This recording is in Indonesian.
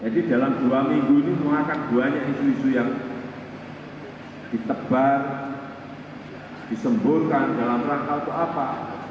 di tebar disemburkan dalam rangka itu apa